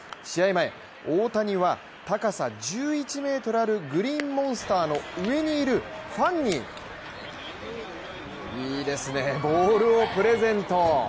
前、大谷はたかさ１１ｍあるグリーンモンスターの上にいるファンにいいですね、ボールをプレゼント。